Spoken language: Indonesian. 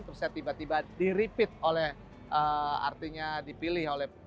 terus tiba tiba diripit oleh artinya dipilih oleh